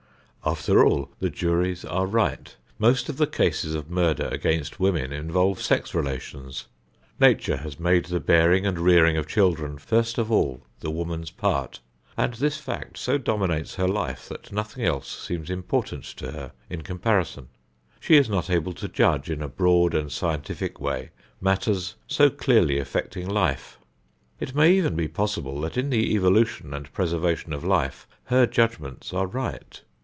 After all, the juries are right. Most of the cases of murder against women involve sex relations. Nature has made the bearing and rearing of children first of all the woman's part, and this fact so dominates her life that nothing else seems important to her in comparison. She is not able to judge in a broad and scientific way matters so clearly affecting life. It may even be possible that in the evolution and preservation of life, her judgments are right.